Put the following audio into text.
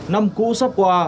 năm cũ sắp qua